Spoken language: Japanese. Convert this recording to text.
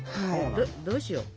どうしよう？